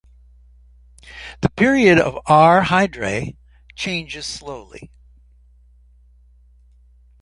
The period of R Hydrae changes slowly.